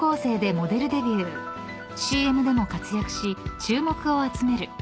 ［ＣＭでも活躍し注目を集める］